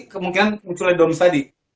kemungkinan munculnya doms tadi